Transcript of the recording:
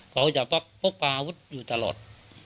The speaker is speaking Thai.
เขาต้องให้พบปลาวุฒิ์อยู่ตลอด